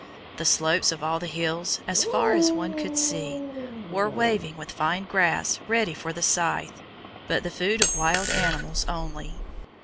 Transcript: The slopes of all the hills, as far as one could see, were waving with fine grass ready for the scythe, but the food of wild animals only.